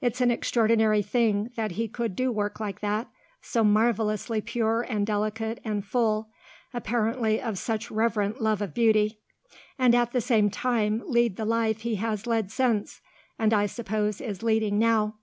It's an extraordinary thing that he could do work like that, so marvellously pure and delicate, and full, apparently of such reverent love of beauty and at the same time lead the life he has led since, and I suppose is leading now."